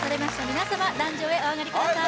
皆様壇上へお上がりください